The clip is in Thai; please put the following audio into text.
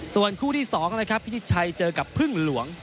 ส่วนคู่ที่สองพี่จิตชัยเจอกับพึ่งหลวง